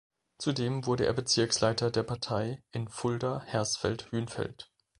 Zudem wurde er Bezirksleiter der Partei in Fulda-Hersfeld-Hünfeld.